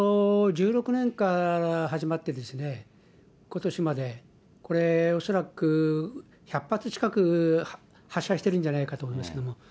１６年から始まってことしまで、これ恐らく、１００発近く発射してるんじゃないかと思いますね。